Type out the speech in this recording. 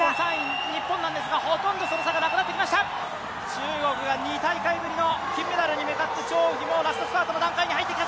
中国が２大会ぶりの金メダルにとってラストスパートの段階に入ってきた。